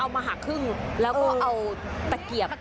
มาหักครึ่งแล้วก็เอาตะเกียบ